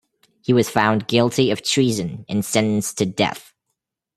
He was found guilty of treason and sentenced to death.